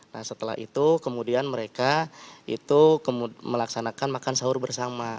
nah setelah itu kemudian mereka itu melaksanakan makan sahur bersama